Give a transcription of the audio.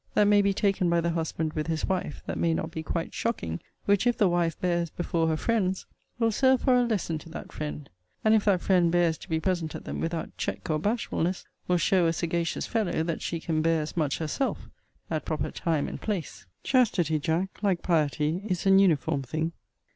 that may be taken by the husband with his wife, that may not be quite shocking, which, if the wife bears before her friends, will serve for a lesson to that friend; and if that friend bears to be present at them without check or bashfulness, will show a sagacious fellow that she can bear as much herself, at proper time and place. Chastity, Jack, like piety, is an uniform thing.